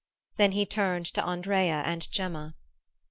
Then he turned to Andrea and Gemma.